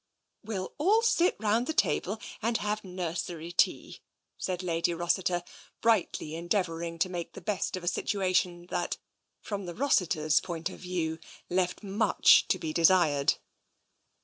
" We'll all sit round the table and have nursery tea," said Lady Rossiter, brightly endeavouring to make the best of a situation that, from the Rossiters' point of view, left much to be desired.